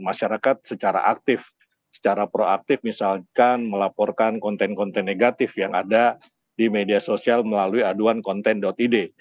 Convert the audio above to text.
masyarakat secara aktif secara proaktif misalkan melaporkan konten konten negatif yang ada di media sosial melalui aduan konten id